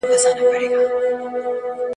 ¬ غوښي د هر چا خوښي دي، پيشي ايمان پر راوړی دئ.